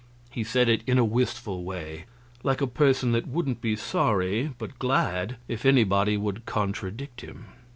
He said it in a wistful way, like a person that wouldn't be sorry, but glad, if anybody would contradict him.